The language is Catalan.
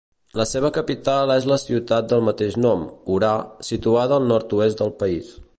La seva capital és la ciutat del mateix nom, Orà, situada al nord-oest del país.